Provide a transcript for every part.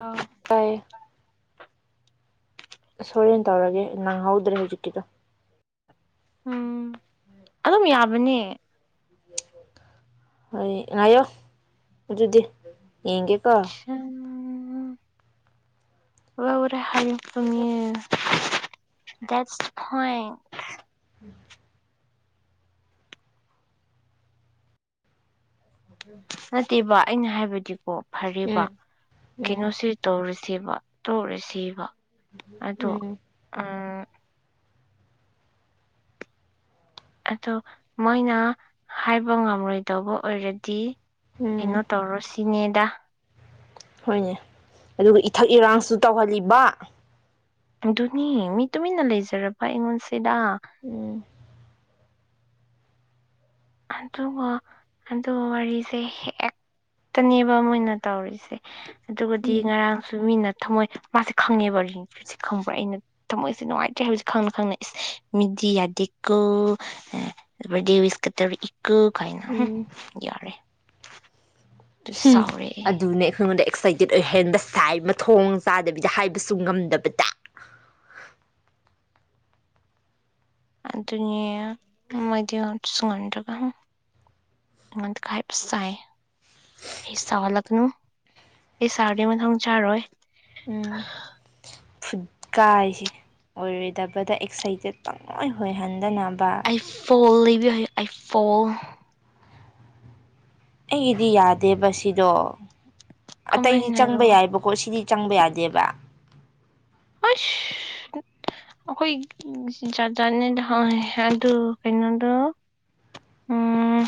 ꯑꯥ ꯇꯥꯏ ꯑꯁ ꯍꯣꯔꯦꯟ ꯇꯧꯔꯒꯦ ꯅꯪꯍꯧꯗ꯭ꯔꯦ ꯍꯧꯖꯤꯛꯀꯤꯗꯣ ꯎꯝ ꯑꯗꯨꯝ ꯌꯥꯕꯅꯤ ꯍꯣꯏ ꯉꯌꯣ ꯑꯗꯨꯗꯤ ꯌꯦꯡꯒꯦꯀꯣ [unintelligible] [unintelligible] ꯗꯦꯠꯁ ꯍꯣꯏ ꯑꯗꯨ ꯅꯠꯇꯦꯕ ꯑꯩꯅ ꯍꯥꯏꯕꯗꯤ ꯐꯔꯦꯕ ꯎꯝ ꯎꯝ ꯀꯩꯅꯣꯁꯤ ꯇꯧꯔꯁꯤ ꯁꯤꯕ ꯇꯧꯔꯦ ꯁꯤꯕ ꯑꯗꯣ ꯎꯝ ꯑꯝ ꯑꯗꯣ ꯃꯣꯏꯅ ꯍꯥꯏꯕ ꯉꯝꯔꯣꯏꯗꯧꯕ ꯑꯣꯏꯔꯗꯤ ꯎꯝ ꯀꯩꯅꯣ ꯇꯧꯔꯣꯁꯤ [unintelligible] ꯅꯦꯗ ꯍꯣꯏꯅꯦ ꯑꯗꯨꯒ ꯏꯊꯛ ꯏꯔꯥꯡꯁꯨ ꯇꯧꯍꯜꯂꯤꯕ ꯑꯗꯨꯅꯤ ꯃꯤ ꯇꯨꯃꯤꯟꯅ ꯂꯩꯖꯔꯕ ꯑꯩꯉꯣꯟꯁꯦ ꯁꯤꯗ ꯎꯝ ꯑꯗꯨꯒ ꯑꯗꯨ ꯋꯥꯔꯤꯁꯦ ꯍꯦꯛ ꯇꯅꯦꯕ ꯃꯣꯏꯅ ꯇꯧꯔꯤꯁꯦ ꯑꯗꯨꯒꯗꯤ ꯎꯝ ꯉꯔꯥꯡꯁꯨ ꯃꯤꯅ ꯊꯝꯃꯣꯏ ꯃꯥꯁꯦ ꯈꯪꯉꯦꯕꯔꯤꯞꯁꯦ ꯈꯪꯕ꯭ꯔꯥ ꯑꯩꯅ ꯊꯃꯣꯏꯁꯦ ꯅꯨꯡꯉꯥꯏꯇ꯭ꯔꯦ ꯍꯥꯏꯕꯁꯦ ꯈꯪꯅ ꯈꯪꯅ ꯏꯁ ꯃꯤꯗꯤ ꯌꯥꯗꯦꯀ ꯀꯠꯇꯕꯤ ꯀ ꯀꯥꯏꯅ ꯌꯔꯦ ꯎꯝ ꯑꯗꯨꯅꯦ ꯑꯩꯈꯣꯏꯣꯟꯗ ꯑꯦꯛꯁꯥꯏꯇꯦꯠ ꯑꯣꯏꯍꯟꯕ ꯁꯥꯏ ꯃꯊꯣꯡ ꯆꯥꯗꯕꯤꯗ ꯍꯥꯏꯕꯁꯨ ꯉꯝꯗꯕꯗ ꯑꯗꯨꯅꯦ ꯃꯣꯏꯗꯤꯣꯟ ꯁꯨꯡꯍꯟꯗ꯭ꯔꯒ ꯑꯩꯉꯣꯟꯗ ꯍꯥꯏꯕ ꯆꯥꯏ ꯑꯩ ꯁꯥꯒꯠꯂꯛꯅꯨ ꯑꯩ ꯁꯥꯔꯗꯤ ꯃꯊꯪ ꯆꯥꯔꯣꯏ ꯎꯝ ꯐꯨꯠ ꯀꯁꯤꯦ ꯑꯣꯏꯔꯣꯏꯗꯕꯗ ꯑꯦꯛꯁꯥꯏꯇꯦꯠ ꯇꯪꯉꯣꯏ ꯑꯣꯏꯍꯟꯗꯅꯕ ꯑ ꯐꯣꯂꯣ ꯑꯐꯣꯟ ꯑꯩꯒꯤꯗꯤ ꯌꯥꯗꯦꯕ ꯁꯤꯗꯣ ꯑꯇꯩꯗꯤ ꯆꯪꯕ ꯀꯃꯥꯏꯅꯔꯣ ꯌꯥꯏꯕꯀꯣ ꯁꯤꯗꯤ ꯆꯪꯕ ꯌꯥꯗꯦꯕ ꯍ ꯑꯩꯈꯣꯏ ꯆꯥꯖꯅꯤꯗ ꯍ ꯑꯗꯨ ꯑꯗꯨ ꯀꯩꯅꯣꯗ ꯎꯝ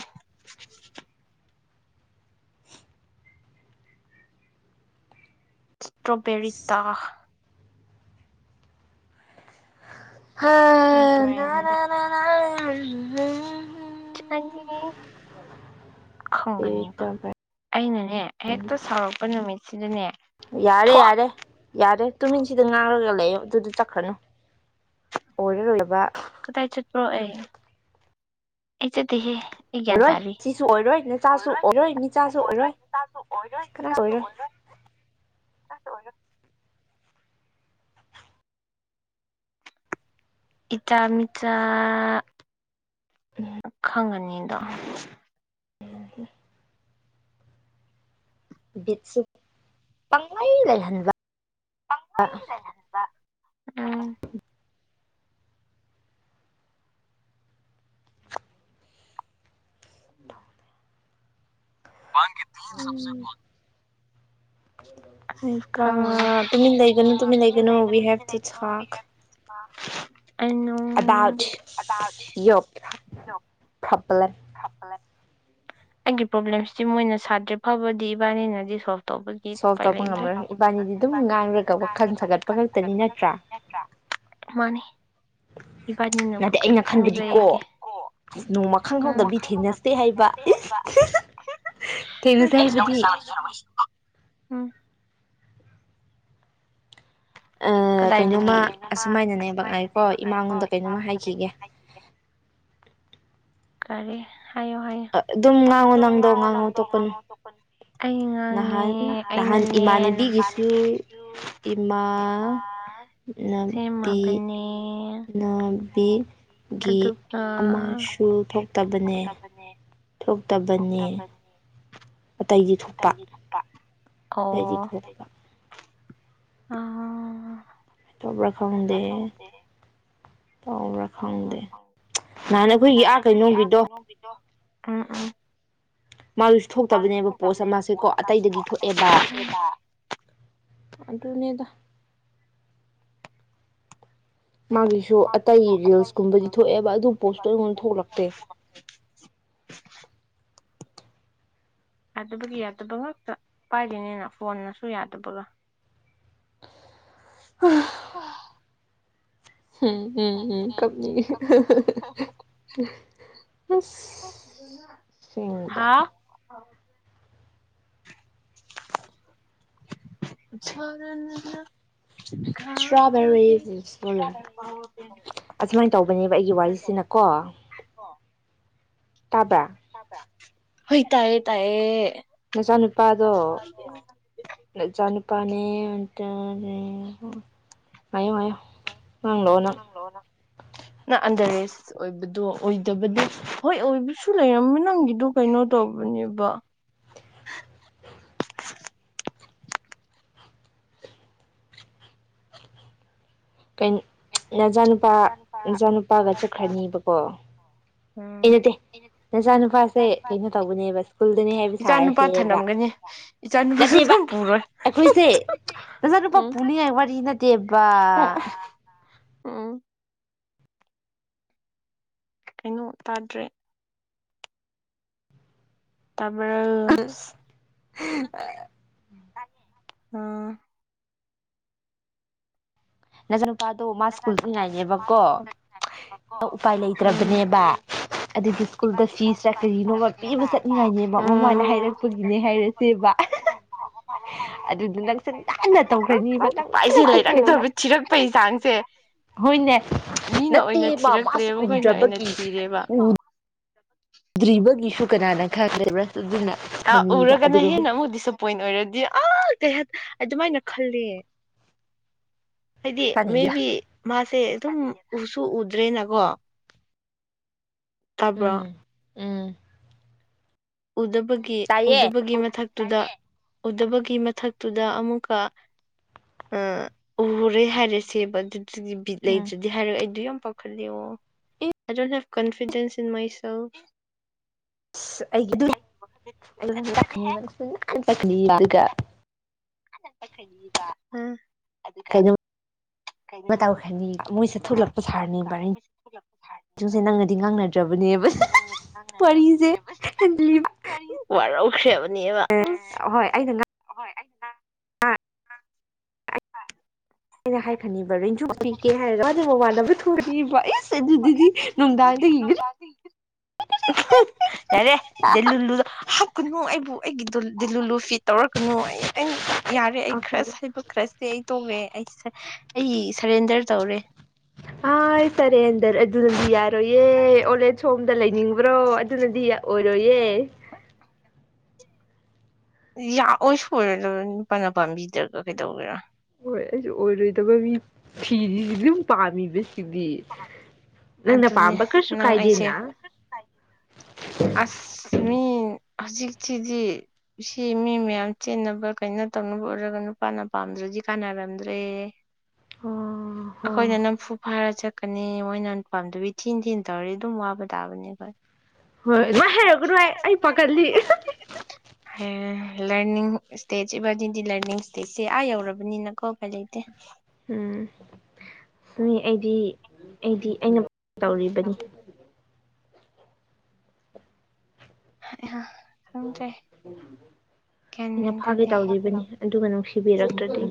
[unintelligible] ꯏꯁꯇ꯭ꯔꯣꯕꯦꯔꯤ ꯇꯥꯛ ꯍ ꯕ꯭ꯔꯦꯟ ꯅꯔꯅꯥ ꯑ ꯑ ꯈꯪꯒꯅꯦꯕ ꯑꯩꯅꯅꯦ ꯍꯦꯛꯇ ꯁꯥꯎꯔꯛꯄ ꯅꯨꯃꯤꯠ ꯁꯤꯗꯅꯦ ꯌꯥꯔꯦ ꯌꯥꯔꯦ ꯌꯥꯔꯦ ꯇꯨꯃꯤꯟꯁꯤꯗ ꯉꯥꯡꯔꯒ ꯂꯩ ꯑꯗꯨꯗ ꯆꯠꯈ꯭ꯔꯅꯨ ꯑꯣꯏꯔꯔꯂꯕ ꯀꯗꯥꯏ ꯆꯠꯄ꯭ꯔꯣ ꯑꯦ ꯏ ꯆꯠꯠꯇꯍꯦ ꯑꯣꯏꯔꯣꯏ ꯁꯤꯁꯨ ꯑꯣꯏꯔꯣꯏ ꯅꯆꯥꯁꯨ ꯑꯣꯏꯔꯣꯏ ꯅꯤꯆꯥꯁꯨ ꯑꯣꯏꯔꯣꯏ ꯀꯅꯥꯁꯨ ꯑꯣꯏꯔꯣꯏ ꯑꯁ ꯍꯣ ꯏꯆꯥ ꯃꯤꯆꯥ ꯈꯪꯒ ꯑꯅꯤꯗ ꯌꯦꯡ ꯕꯤꯠꯁꯨ ꯄꯪꯪꯂꯥꯏ ꯂꯩꯍꯟꯕ ꯄꯪꯉꯥꯏꯔꯗ [unintelligible] ꯍ ꯋꯥꯒꯤ ꯇꯤꯟ ꯁꯞꯁꯣ ꯎꯝ ꯈꯪꯗꯦꯗ ꯂꯩꯒꯅꯨ ꯂꯩꯒꯅꯨꯋꯤ ꯍ ꯇ [unintelligible] ꯑꯗꯥ ꯑꯩꯅꯨꯡ ꯌ ꯐꯄꯂ ꯆꯄꯂ ꯑꯩꯒꯤ ꯄ꯭ꯔꯣꯕ꯭ꯂꯦꯝꯁꯤꯗꯤ ꯃꯣꯏꯅ ꯁꯥꯗ꯭ꯔꯦ ꯐꯕꯗꯤ ꯏꯕꯥꯅꯤꯅꯗꯤ ꯁꯣꯜ ꯇꯒꯤ ꯁꯣꯜꯕ ꯇꯧꯕ ꯉꯝꯃꯔꯣꯏ ꯏꯕꯥꯅꯤꯗꯤ ꯑꯗꯨꯝ ꯉꯥꯡꯔꯒ ꯋꯥꯈꯜ ꯁꯥꯒꯠꯄ ꯈꯛꯇꯅꯤ ꯅꯠꯇ꯭ꯔꯥ ꯄꯒꯄꯠꯇ꯭ꯔ ꯃꯥꯅꯤ ꯏꯕꯥꯅꯤꯅꯕꯨ ꯅꯠꯇꯦ ꯀꯔꯤ ꯑꯩꯅ ꯈꯟꯕꯗꯤꯀꯣ ꯈꯪꯖꯩꯒꯦ ꯅꯣꯡꯃ ꯎꯝ ꯈꯪꯍꯧꯗꯕꯤ ꯊꯦꯡꯅꯁꯦ ꯍꯥꯏꯕ ꯏꯁ ꯍꯥꯏꯕ ꯊꯦꯡꯅꯁꯦ ꯍꯥꯏꯕꯗꯤ ꯎꯝ ꯀꯗꯥꯏꯗꯅꯦ ꯀꯩꯅꯣꯝꯃ ꯌꯦꯅꯣꯃ ꯑꯁꯨꯃꯥꯏꯅꯅꯦꯕ ꯉꯥꯏꯀꯣ ꯑꯁꯨꯃꯥꯏꯅꯅꯦꯕ ꯉꯥꯏꯈꯣ ꯏꯃꯥꯉꯣꯟꯗ ꯀꯩꯅꯣꯝꯃ ꯏꯃꯥꯉꯣꯟꯗ ꯀꯩꯅꯣꯝꯃ ꯍꯥꯏꯈꯤꯒꯦ ꯍꯥꯏꯈꯤꯒꯦ ꯀꯔꯦ ꯍꯥꯏꯌꯣ ꯍꯥꯏꯌꯣ ꯑꯗꯨꯝ ꯑꯗꯨꯝ ꯅꯪꯗꯣ ꯉꯥꯡꯉꯣ ꯅꯪꯗꯣ ꯇꯣꯛꯀꯅꯨ ꯉꯥꯡꯉꯣ ꯇꯄ ꯑꯩ ꯉꯥꯡꯉꯦ ꯅꯍꯥꯟ ꯅꯍꯥꯟ ꯑꯩꯅꯅꯦ ꯅ ꯏꯃꯥꯟꯅꯕꯤꯒꯤꯁꯨ ꯑꯩꯁꯨ ꯏꯃꯥꯟꯅꯕꯤ ꯁꯤꯦꯃꯕꯅꯤ ꯎꯅꯥꯕꯤꯒꯤ ꯑꯗꯨꯒ ꯑꯃꯁꯨ ꯊꯣꯛꯇꯕꯅꯦ ꯊꯣꯛꯇꯕꯅꯦ ꯑꯇꯩꯗꯤ ꯊꯣꯛꯄ ꯑꯣ ꯑꯇꯩꯗꯤ ꯊꯣꯛꯄ ꯑ ꯇꯣꯕ꯭ꯔꯥ ꯈꯥꯎꯗꯦ ꯇꯥꯎꯕ꯭ꯔꯥ ꯈꯪꯗꯦ ꯅꯍꯥꯟ ꯑꯩꯈꯣꯏꯒꯤ ꯑꯥ ꯀꯩꯅꯣꯒꯤꯗꯣ ꯑꯝ ꯎꯝ ꯃꯥꯗꯨꯁꯨ ꯊꯣꯛꯇꯕꯅꯦꯕ ꯄꯣꯁ ꯃꯥꯁꯦ ꯀꯣ ꯑꯇꯩꯗꯗꯤ ꯊꯣꯛꯑꯦꯕ ꯑꯗꯨꯅꯦꯗ ꯃꯥꯒꯤꯁꯨ ꯑꯇꯩ ꯔꯤꯜꯁꯀꯨꯝꯕꯗꯤ ꯊꯣꯛꯑꯦꯕ ꯑꯗꯨ ꯄꯣꯁꯇꯣ ꯑꯩꯉꯣꯟꯗ ꯊꯣꯛꯂꯛꯇꯦ ꯌꯥꯗꯕꯒꯤ ꯌꯥꯗꯕ ꯉꯥꯛꯇ ꯄꯥꯏꯔꯤꯉꯅ ꯐꯣꯟꯅꯁꯨ ꯌꯥꯗꯕꯒ ꯍ ꯑ ꯎꯝ ꯎꯝ ꯎꯝ ꯀꯝꯅꯤ ꯑ ꯍꯥꯥ ꯔ ꯏꯁꯇ꯭ꯔꯣꯕꯦꯔꯤꯁ ꯑꯁꯨꯃꯥꯏꯅ ꯈ ꯇꯧꯕꯅꯦꯕ ꯑꯩꯒꯤ ꯆꯦ ꯇꯕ ꯍꯣꯏ ꯇꯑꯌꯦ ꯇꯌꯦ ꯃꯆꯥꯅꯨꯄꯥꯗꯣ ꯏꯆꯥꯅꯨꯄꯥꯅꯦ ꯑꯗꯨ ꯃꯌꯨꯝ ꯃꯌꯣ ꯣ ꯑꯟꯗꯔꯦꯁ ꯑꯣꯏꯕꯗꯣ ꯑꯣꯏꯗꯕꯗꯤ ꯍꯣꯏ ꯑꯣꯏꯕꯁꯨ ꯂꯩꯔꯝꯕ ꯅꯪꯒꯤꯗꯣ ꯀꯩꯅꯣ ꯇꯧꯕꯅꯦꯕ ꯀꯟ ꯅꯆꯥꯅꯨꯄꯥ ꯅꯆꯥ ꯅꯨꯨꯄꯥꯒ ꯆꯠꯈ꯭ꯔꯅꯤꯕꯀꯣ ꯎꯝ ꯑꯩ ꯅꯠꯇꯦ ꯅꯆꯥꯅꯨꯄꯥꯁꯦ ꯀꯩꯅꯣ ꯇꯧꯧꯕꯅꯦꯕ ꯁ꯭ꯀꯨꯜꯗꯅꯦ ꯍꯥꯏꯕ ꯏꯆꯥꯅꯨꯄꯥ ꯁꯥꯔꯤꯁꯦꯕ ꯊꯅꯝꯒꯅꯤ ꯏꯆꯥꯅꯨꯄꯥꯁꯨ ꯅꯠꯇꯦꯕ ꯅꯪ ꯄꯨꯔꯣꯏ ꯑꯩꯈꯣꯏꯁꯦ ꯅꯆꯥꯅꯨꯄꯥ ꯎꯝ ꯄꯨꯅꯤꯡꯉꯥꯏ ꯋꯥꯔꯤꯗꯤ ꯅꯠꯇꯦꯕ ꯋꯥ ꯑꯣ ꯎꯝ ꯀꯩꯅꯣ ꯇꯥꯗ꯭ꯔꯦ ꯇꯥꯃꯔ ꯑꯥ ꯅꯖꯔ ꯅꯨꯄꯥꯗꯣ ꯃꯥ ꯁ꯭ꯀꯨꯜꯗ ꯏ ꯉꯥꯏꯅꯦꯕꯀꯣ ꯎꯄꯥꯏ ꯎꯝ ꯂꯩꯇ꯭ꯔꯕꯅꯦꯕ ꯑꯗꯨꯗꯤ ꯁ꯭ꯀꯨꯜꯗ ꯐꯤꯁꯇ ꯀꯔꯤꯅꯣꯃ ꯄꯤꯕ ꯆꯠꯅꯤꯡꯉꯥꯏꯅꯦꯕ ꯎꯝ ꯃꯃꯥꯅ ꯍꯥꯏꯔꯛꯄꯒꯤꯅꯦ ꯍꯥꯏꯔꯁꯦꯕ ꯑꯗꯨꯗ ꯅꯪ ꯆꯟ ꯍꯟꯅ ꯇꯧꯈ꯭ꯔꯅꯤꯕꯈ꯭ꯔ ꯄꯩ ꯆꯥꯡꯁꯦ ꯍꯣꯏꯅꯦ ꯃꯤꯅ ꯅꯠꯇꯦ ꯑꯣꯏꯅ ꯃꯥ ꯃꯥꯁꯨ ꯊꯤꯔꯛꯇ꯭ꯔꯦꯕ ꯎꯗ꯭ꯔꯕꯒꯤ ꯣ ꯗ꯭ꯔꯤꯕꯒꯤꯁꯨ ꯀꯅꯥꯅ ꯈꯪꯗꯦꯕ ꯑꯥ ꯎꯔꯒꯅ ꯍꯦꯟꯅ ꯑꯃꯨꯛ ꯗꯤꯁꯑꯄꯣꯏꯟ ꯑꯣꯏꯔꯗꯤ ꯀꯩ ꯍꯥꯏ ꯑꯗꯨꯃꯥꯏꯅ ꯈꯜꯂꯤ ꯍꯥꯏꯗꯤ ꯀꯥꯅꯤꯡꯒꯦ ꯃꯦꯕꯤ ꯃꯥꯁꯦ ꯑꯗꯨꯝ ꯎꯁꯨ ꯎꯗ꯭ꯔꯦꯅꯀꯣ ꯇꯥꯕ꯭ꯔꯣ ꯎꯝ ꯎꯝ ꯎꯗꯕꯒꯤ ꯇꯥꯏꯌꯦ ꯎꯗꯕꯒꯤ ꯃꯊꯛꯇꯨꯗ ꯎꯗꯕꯒꯤ ꯃꯊꯛꯇꯨꯗ ꯑꯃꯨꯛꯀ ꯑ ꯎꯨꯔꯦ ꯍꯥꯏꯔꯁꯦꯕ ꯁꯤꯒꯤ ꯕꯤꯠ ꯎꯝ ꯂꯩꯗ꯭ꯔꯗꯤ ꯍꯥꯏꯔꯛ ꯑꯩ ꯑꯗꯨ ꯌꯥꯝ ꯄꯈꯂꯤ ꯑꯥꯏ ꯗꯣꯟ ꯍꯦꯕ ꯀꯣꯟꯐꯤꯗꯦꯟꯁ ꯏꯟ ꯃꯥꯏꯁꯦꯜ ꯑꯁ ꯑꯩꯒꯤ ꯑꯗꯨ [unintelligible] ꯁꯅꯤꯕ ꯎꯝ ꯀꯩꯅꯣ ꯇꯧꯈ꯭ꯔꯅꯤ ꯃꯣꯏꯁꯦ ꯊꯣꯛꯂꯛꯄ ꯁꯥꯍꯔꯅꯤ ꯕꯥꯔꯦꯟꯁꯦ ꯅꯪꯅꯗꯤ ꯉꯥꯡꯅꯗ꯭ꯔꯕꯅꯤ ꯅꯪꯅꯗꯤ ꯉꯥꯡꯅꯗ꯭ꯔꯕꯅꯦꯕ ꯍꯤ ꯍꯤ ꯍꯦꯟꯖꯤꯜꯂꯤꯕ ꯍꯤ ꯋꯥꯔꯤꯖꯦ ꯋꯥꯔꯧ- ꯈ꯭ꯔꯦꯕ ꯅꯦꯕ ꯎꯝ ꯍꯣꯏ ꯑꯩꯅ ꯍꯣꯏ ꯑꯩ ꯇꯥ- ꯑꯩ ꯑꯩꯅ ꯍꯥꯏ ꯈꯅꯤꯕ ꯔꯦꯟꯖꯨ ꯄꯤꯒꯦ ꯍꯥꯏꯔꯒ ꯃꯥꯗꯤ ꯃꯃꯥꯟꯅꯕ ꯊꯣꯛꯒ꯭ꯔꯅꯤꯕ ꯏꯖ ꯏꯁ ꯑꯗꯨꯗꯨꯗꯤ ꯅꯨꯡꯗꯥꯡꯗ ꯌꯦꯡꯉꯅꯤ ꯎꯛ ꯌꯥꯔꯦ ꯗꯦꯂꯨ ꯂꯨꯗꯣ ꯍꯛ ꯀꯅꯣ ꯑꯩꯕꯨ ꯑꯩꯒꯤ ꯗꯨꯜ ꯗꯤꯜꯂꯨ ꯂꯨ ꯐꯤ ꯇꯧꯔꯛ ꯀꯅꯨ ꯑꯩ ꯑꯩ ꯌꯥꯔꯦ ꯑꯩ ꯑꯣꯀꯦ ꯈ꯭ꯔꯁ ꯍꯥꯏꯕ ꯈ꯭ꯔꯁꯦ ꯑꯩ ꯇꯣꯛꯂꯦ ꯑꯩ ꯁꯔ ꯑꯩ ꯁꯔꯦꯟꯗꯔ ꯇꯧꯔꯦ ꯍꯥꯏ ꯁꯔꯦꯟꯗꯔ ꯑꯗꯨꯅꯗꯤ ꯌꯥꯔꯣꯏꯌꯦ ꯑꯣꯜ ꯑꯦꯖ ꯍꯣꯝꯗ ꯂꯩꯅꯤꯡꯕ꯭ꯔꯣ ꯑꯗꯨꯅꯗꯤ ꯌꯥ ꯑꯣꯏꯔꯣꯏꯌꯦ ꯌꯥꯥꯛꯑꯣꯏ ꯁꯣꯏꯔꯦꯗ ꯅꯨꯄꯥꯅ ꯄꯥꯝꯕꯤꯗ꯭ꯔꯒ ꯀꯩꯗꯧꯒꯦꯔꯥ ꯍꯣꯏ ꯑꯩꯁꯨ ꯑꯣꯏꯔꯣꯏꯗꯕ ꯃꯤ ꯐꯤꯔꯤꯁꯤꯗꯤ ꯑꯗꯨꯝ ꯄꯥꯝꯃꯤꯕ ꯁꯤꯗꯤ ꯅꯪꯅ ꯑꯗꯨꯅꯦ ꯄꯥꯝꯕ ꯀ꯭ꯔꯤꯁꯨ ꯅꯪ ꯑꯩꯁꯦ ꯀꯥꯏꯗꯦꯅ ꯑꯁ ꯃꯤ ꯍꯧꯖꯤꯛꯁꯤꯗꯤ ꯁꯤ ꯃꯤ ꯃꯌꯥꯝ ꯆꯦꯟꯅꯕ ꯀꯩꯅꯣ ꯇꯧꯅꯕ ꯎꯔꯒ ꯅꯨꯄꯥꯅ ꯄꯥꯝꯗ꯭ꯔꯗꯤ ꯀꯥꯟꯅꯔꯝꯗ꯭ꯔꯦ ꯑꯩꯈꯣꯏꯅ ꯅꯝꯐꯨ ꯐꯥꯔꯥ ꯆꯠꯀꯅꯤ ꯃꯣꯏꯅ ꯄꯥꯝꯗꯕꯤ ꯊꯤꯟꯅ ꯊꯤꯟꯅ ꯇꯧꯔꯗꯤ ꯑꯗꯨꯝ ꯋꯥꯕ ꯇꯥꯕꯅꯦ ꯑꯩꯈꯣꯏ ꯍꯣꯏ ꯑꯗꯨꯃꯥꯥꯏ ꯍꯥꯏꯔꯛꯀꯅꯨ ꯍꯦ ꯑꯩ ꯄꯥꯈꯠꯂꯤ ꯑ ꯍꯤ ꯍꯤ ꯂꯔꯅꯤꯡ ꯏꯁꯇꯦꯖ ꯏꯕꯥꯗꯤꯗꯤ ꯂꯔꯅꯤꯡ ꯏꯁꯇꯦꯖꯁꯦ ꯑꯥ ꯌꯧꯔꯕꯅꯤꯅꯀꯣ ꯎꯄꯥꯏ ꯂꯩꯇꯦ ꯎꯝ ꯁꯨꯃꯤ ꯑꯩꯗꯤ ꯑꯩꯗꯤ ꯑꯩꯅ- ꯇꯧꯔꯤꯕꯅꯤ ꯍ ꯑꯦ ꯍ ꯒ꯭ꯌꯥꯟ ꯂꯧꯁꯤꯟꯕ ꯉꯝꯗꯕ ꯃꯦꯟ ꯑꯩꯅ ꯐꯥꯒꯦ ꯇꯥꯗꯦ ꯇꯧꯔꯤꯕꯅꯤ ꯑꯗꯨꯒ ꯅꯨꯡꯁꯤ- ꯊꯤꯕꯤꯔꯛꯇ꯭ꯔꯗꯤ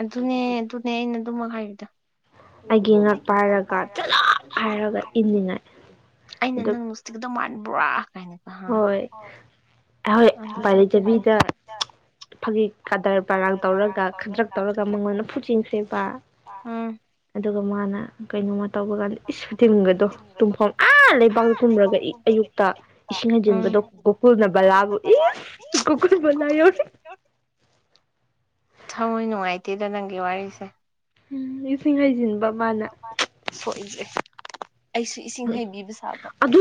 ꯑꯗꯨꯅꯦ ꯑꯗꯨꯅꯦ ꯑꯩꯅ ꯑꯗꯨꯃꯛ ꯍꯥꯏꯕꯗꯣ ꯑꯩꯒꯤ ꯉꯛ ꯄꯥꯏꯔꯒ ꯆꯠꯂꯣ ꯍꯥꯏꯔꯒ ꯏꯅꯤꯡꯉꯥꯏ ꯑꯩꯅ ꯑꯗꯨ ꯅꯪ ꯅꯨꯡꯁꯤꯒꯗꯧ ꯃꯥꯟꯕ꯭ꯔꯥ ꯀꯥꯏꯅꯀꯣ ꯍꯥ ꯍꯣꯏ ꯑꯩꯍꯣꯏ ꯎꯄꯥꯏ ꯑꯗꯨꯗꯗꯤ ꯍꯨꯝ ꯂꯩꯇꯕꯤꯗ ꯐꯛ- ꯍꯤꯛ ꯀꯥꯗꯔ ꯄꯔꯥꯛ ꯇꯧꯔꯒ ꯈꯗ꯭ꯔꯛ ꯇꯧꯔꯒ ꯃꯉꯣꯟꯗ ꯐꯨꯖꯤꯟꯈ꯭ꯔꯦꯕ ꯎꯝ ꯑꯗꯨꯒ ꯃꯥꯅ ꯀꯩꯅꯣꯝꯃꯅꯤ ꯇꯧꯕ ꯀꯥꯟꯗ ꯏꯁ ꯁꯨꯇꯤꯡꯒꯗꯣ ꯇꯨꯝꯐꯝ ꯑꯥ ꯂꯩꯕꯥꯛꯇ ꯇꯨꯝꯔꯒ ꯑꯌꯨꯛꯇ ꯏꯁꯤꯡ ꯎꯝ ꯍꯩꯖꯤꯟꯕꯗꯣ ꯒꯣꯀꯨꯜꯅ ꯕꯂꯥꯕꯨ ꯏꯁ ꯒꯣꯀꯨꯜ ꯕꯂꯥ ꯌꯧꯔꯦ ꯗꯤꯗ ꯅꯪꯒꯤ ꯋꯥꯔꯤꯁꯦ ꯎꯝ ꯁꯤꯡ ꯍꯩꯖꯤꯟꯕ ꯃꯥꯅ ꯁꯣꯛꯏꯁꯦ ꯑꯩꯁꯨ ꯏꯁꯤꯡ ꯎꯝ ꯍꯩꯕꯤꯕ ꯁꯥꯕ ꯑꯗꯨ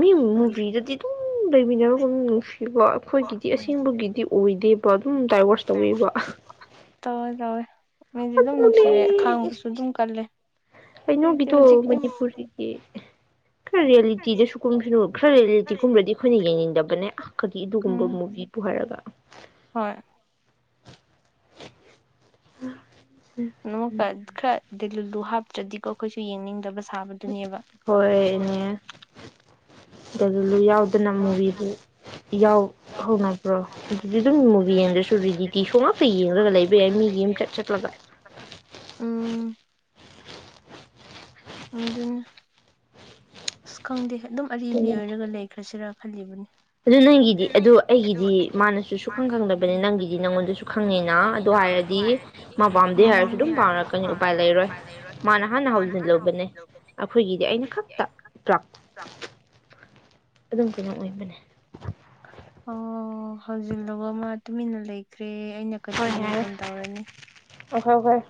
ꯃꯤ ꯃꯨꯚꯤꯗꯗꯤ ꯑꯗꯨꯝ ꯂꯩꯃꯤꯟꯅꯔꯒ ꯅꯨꯡꯁꯤꯕ ꯑꯩꯈꯣꯏꯒꯤꯗꯤ ꯑꯁꯦꯡꯕꯒꯤꯗꯤ ꯑꯣꯏꯗꯦꯕ ꯕ ꯑꯗꯨꯝ ꯗꯥꯏꯋꯔꯁ ꯇꯧꯋꯦꯕ ꯇꯧꯋꯦ ꯇꯧꯋꯦ ꯃꯤꯗꯤ ꯑꯗꯨꯝ ꯑꯗꯨꯅꯦ ꯅꯨꯡꯁꯤꯔꯦ ꯑꯈꯥꯡꯕꯁꯨ ꯑꯗꯨꯝ ꯀꯜꯂꯦ ꯍꯧꯖꯤꯛꯇꯤ ꯀꯩꯅꯣꯒꯤꯗꯣ ꯍꯧꯖꯤꯛꯇꯤ ꯃꯅꯤꯄꯨꯔꯁꯤꯗꯤ ꯈꯔ ꯔꯤꯌꯦꯂꯤꯇꯤꯗꯁꯨꯨ ꯀꯨꯝꯈꯤꯅꯨ ꯈꯔ ꯔꯤꯌꯦꯂꯤꯇꯤꯀꯨꯝꯒꯔꯗꯤ ꯑꯩꯈꯣꯏꯅ ꯌꯦꯡꯅꯤꯡꯗꯕꯅꯦ ꯑꯍꯀꯔꯤ ꯑꯗꯨꯒꯨꯝꯕ ꯎꯝ ꯃꯨꯚꯤꯕꯨ ꯍꯥꯏꯔꯒ ꯍꯣꯏ ꯑ ꯅꯣꯛ ꯀ ꯈꯔ ꯗꯦꯂꯨꯂꯨ ꯍꯥꯞ ꯭ꯔꯗꯤꯀꯣ ꯑꯩꯈꯣꯏꯁꯨ ꯌꯦꯡꯅꯤꯡꯗꯕ ꯁꯥꯕꯗꯨꯅꯦꯕ ꯍꯣꯏ ꯅꯦ ꯗꯣꯂꯨꯂꯨ ꯌꯥꯎꯗꯅ ꯃꯨꯚꯤꯗꯤ ꯌꯥꯎ ꯍꯧꯅꯕ꯭ꯔꯣ ꯑꯗꯨꯗꯤ ꯑꯗꯨꯝ ꯃꯨꯚꯤ ꯌꯦꯡꯗ꯭ꯔꯁꯨ ꯔꯤꯗꯤꯇꯤ ꯁꯣ ꯉꯥꯛꯇ ꯌꯦꯡꯔꯒ ꯂꯩꯕ ꯌꯥꯏ ꯃꯤꯒꯤ ꯌꯨꯝ ꯆꯠ ꯆꯠꯂꯒ ꯎꯝ ꯑꯗꯨꯅꯦ ꯑꯁ ꯈꯪꯗꯦ ꯑꯗꯨꯝ ꯑꯔꯤꯕꯤ ꯑꯗꯨꯅꯤ ꯑꯣꯏꯔꯒ ꯂꯩꯈ꯭ꯔꯁꯤꯔ ꯈꯜꯂꯤꯕꯅꯤ ꯑꯗꯨ ꯅꯪꯒꯤꯗꯤ ꯑꯗꯨ ꯑꯩꯒꯤꯗꯤ ꯃꯥꯅꯁꯨ ꯁꯨꯈꯪ ꯈꯪꯗꯕꯅꯦ ꯅꯪꯒꯤꯗꯤ ꯅꯪꯉꯣꯟꯗꯁꯨ ꯈꯪꯉꯦꯅ ꯑꯗꯨ ꯍꯥꯏꯔꯗꯤ ꯃꯥ ꯄꯥꯝꯗꯦ ꯎꯝ ꯍꯥꯏꯔꯁꯨ ꯑꯗꯨꯝ ꯄꯥꯝꯅꯔꯛꯀꯅꯤ ꯎꯄꯥꯏ ꯂꯩꯔꯣꯏ ꯃꯥꯅ ꯍꯥꯟꯅ ꯍꯧꯖꯤꯟꯂꯨꯕꯅꯦ ꯑꯩꯈꯣꯏꯒꯤꯗꯤ ꯑꯩꯅ ꯈꯛꯇ ꯇꯔꯛ ꯑꯗꯨꯝ ꯀꯩꯅꯣ ꯑꯣꯏꯕꯅꯦ ꯑꯣ ꯍꯧꯖꯤꯜꯂꯨꯕ ꯃꯥ ꯇꯨꯃꯤꯟꯅ ꯂꯩꯈ ꯔꯦ ꯑꯩꯅ ꯌꯥꯔꯦ ꯀꯟꯇꯤꯅꯌꯨꯁꯟ ꯇꯧꯔꯅꯤ ꯑꯣꯍꯣꯏ ꯍꯣꯏ